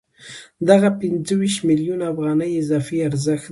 دغه پنځه ویشت میلیونه افغانۍ اضافي ارزښت دی